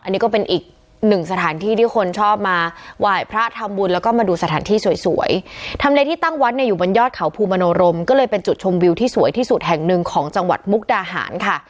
อันนี้ก็เป็นอีกหนึ่งสถานที่ที่คนชอบมาไหว้พระทำบุญแล้วก็มาดูสถานที่สวยสวยทำเลที่ตั้งวัดเนี่ยอยู่บนยอดเขาภูมิโนรมก็เลยเป็นจุดชมวิวที่สวยที่สุดแห่งหนึ่งของจังหวัดมุกดาหารค่ะ